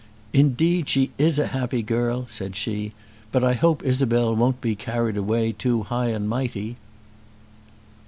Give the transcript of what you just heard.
"Indeed she is a happy girl," said she; "but I hope Isabel won't be carried away too high and mighty."